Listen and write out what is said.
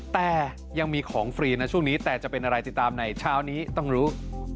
แต่ยังมีของฟรีนะช่วงนี้แต่จะเป็นอะไรติดตามในเช้านี้ต้องรู้